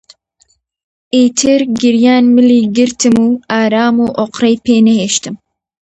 ئیتر گریان ملی گرتم و ئارام و ئۆقرەی پێ نەهێشتم